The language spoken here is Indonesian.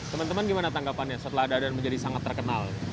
teman teman gimana tanggapannya setelah dadan menjadi sangat terkenal